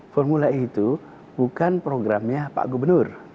formula e itu bukan programnya pak gubernur